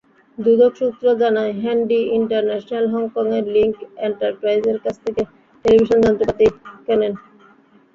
দুদক সূত্র জানায়, Handy International হংকংয়ের লিংক এন্টারপ্রাইজের কাছ থেকে টেলিভিশন যন্ত্রপাতি কেনেন।